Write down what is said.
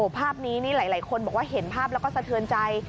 ภาพนี้นี่หลายคนบอกว่าเห็นภาพแล้วก็สะเทือนใจ